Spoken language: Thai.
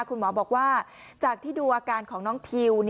คุณหมอบอกว่าจากที่ดูอาการของน้องทิว